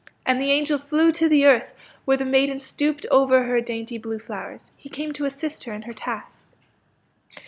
And the angel flew to the earth where the maiden stooped over her dainty blue flowers. He came to assist her in her task.